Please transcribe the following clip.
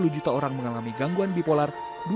dua puluh juta orang mengalami gangguan bipolar